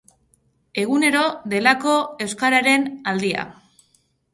Egunero delako euskararen aldia.